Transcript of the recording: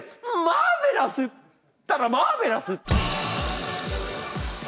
マーベラスったらマーベラス！